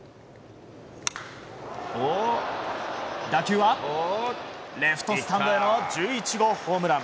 打球は、レフトスタンドへの１１号ホームラン。